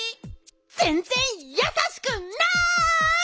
ぜんぜんやさしくない！